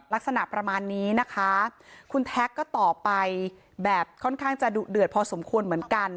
ลักษณะประมาณนี้นะคะคุณแท็กก็ตอบไปแบบค่อนข้างจะดุเดือดพอสมควรเหมือนกัน